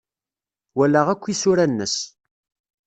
Walaɣ akk isura-nnes.